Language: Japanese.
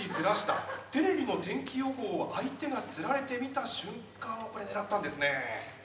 テレビの天気予報を相手がつられて見た瞬間をこれ狙ったんですね。